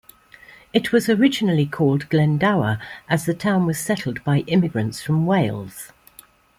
It was originally called Glendower as the town was settled by immigrants from Wales.